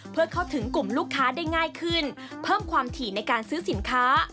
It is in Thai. เพื่อเข้าถึงกลุ่มลูกค้าได้ง่ายขึ้นเพิ่มความถี่ในการซื้อสินค้า